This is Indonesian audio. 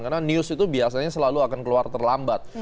karena news itu biasanya selalu akan keluar terlambat